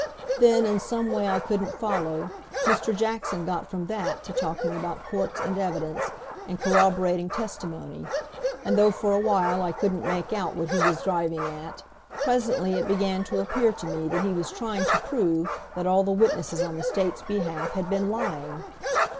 Then, in some way I couldn't follow, Mr. Jackson got from that to talking about courts and evidence, and corroborating testimony; and though for a while I couldn't make out what he was driving at, presently it began to appear to me that he was trying to prove that all the witnesses on the state's behalf had been lying.